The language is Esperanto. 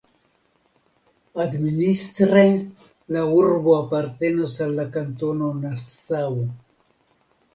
Administre la urbo apartenas al la kantono Nassau.